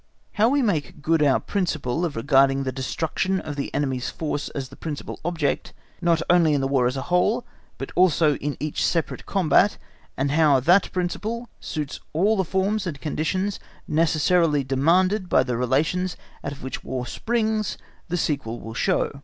How we make good our principle of regarding the destruction of the enemy's force as the principal object, not only in the War as a whole but also in each separate combat, and how that principle suits all the forms and conditions necessarily demanded by the relations out of which War springs, the sequel will show.